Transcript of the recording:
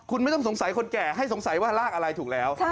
คุณไม่ต้องสงสัยคนแก่ให้สงสัยว่ารากอะไรถูกแล้ว